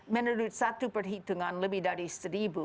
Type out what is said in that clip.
menurut satu perhitungan lebih dari seribu